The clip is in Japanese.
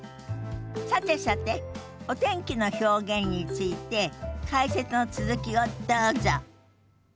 さてさてお天気の表現について解説の続きをどうぞ。